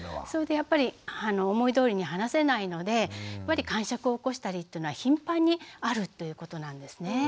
それでやっぱり思いどおりに話せないのでかんしゃくを起こしたりっていうのは頻繁にあるということなんですね。